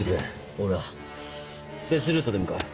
俺は別ルートで向かう。